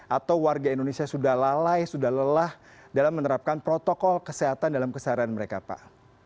atau warga indonesia sudah lalai sudah lelah dalam menerapkan protokol kesehatan dalam keseharian mereka pak